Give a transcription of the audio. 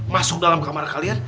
masuk dalam kamar kalian